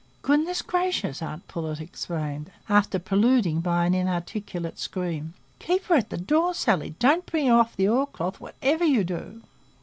"Goodness gracious!" aunt Pullet exclaimed, after preluding by an inarticulate scream; "keep her at the door, Sally! Don't bring her off the oil cloth, whatever you do."